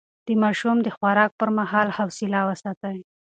د ماشوم د خوراک پر مهال حوصله وساتئ.